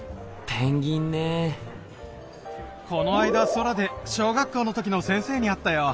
ペンギンねこの間空で小学校の時の先生に会ったよ。